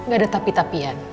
gak ada tapi tapian